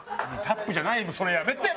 タップじゃないそれやめて！